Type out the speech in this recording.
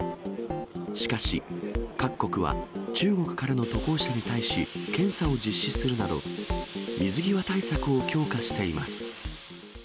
しかし、各国は中国からの渡航者に対し、検査を実施するなど、水際対策を強化しています。